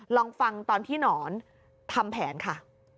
ลองฟังตอนที่หนอนทำแผนค่ะ